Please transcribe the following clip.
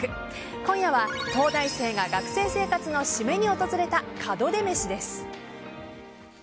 今夜は東大生が学生生活の締めに訪れた門出めしです。